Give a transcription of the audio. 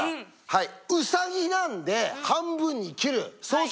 はい。